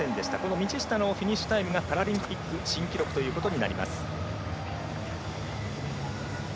道下のフィニッシュタイムがパラリンピック新記録ということになります。